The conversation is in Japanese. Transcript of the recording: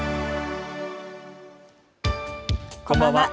こんばんは。